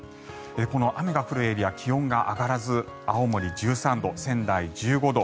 この雨が降るエリア気温が上がらず青森、１３度仙台、１５度。